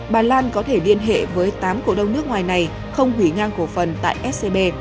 bà lan có thể liên hệ với tám cổ đông nước ngoài này không hủy ngang cổ phần tại scb